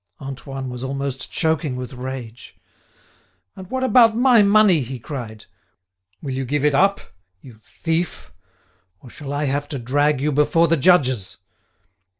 Antoine was almost choking with rage. "And what about my money," he cried; "will you give it up, you thief, or shall I have to drag you before the judges?"